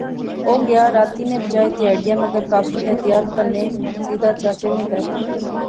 او گیا، راتی نے بجائے تہاڑیا، مگر کافی احتیاط کنے, سیدھا چاچے نے کہھر